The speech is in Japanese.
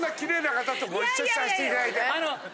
あの。